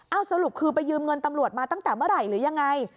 เอาสรุปคือไปยืมเงินตำรวจมาตั้งแต่เมื่อไหร่หรือยังไง